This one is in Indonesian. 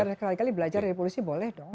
nah belajar kali kali belajar dari polisi boleh dong